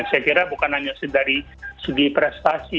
saya kira bukan hanya dari segi prestasi